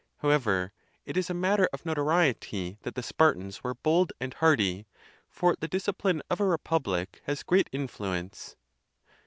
However, it is a matter of notoriety that the Spartans were bold and hardy, for the discipline of a republic has great influence.